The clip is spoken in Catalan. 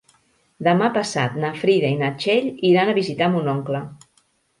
Demà passat na Frida i na Txell iran a visitar mon oncle.